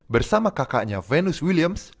bersama kakaknya venus williams